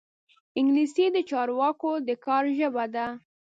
انګلیسي د چارواکو د کار ژبه ده